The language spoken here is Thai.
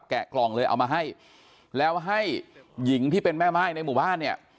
กล่องเลยเอามาให้แล้วให้หญิงที่เป็นแม่ม่ายในหมู่บ้านเนี่ย